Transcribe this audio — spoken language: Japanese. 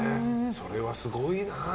それはすごいな。